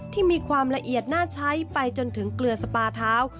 ที่มีความละเอียดน่าใช้ไปจนถึงเกลือสปาเท้า